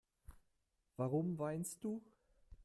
Warum weinst du?